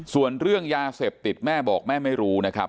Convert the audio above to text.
ส่วนเรื่องยาเสพติดแม่บอกแม่ไม่รู้นะครับ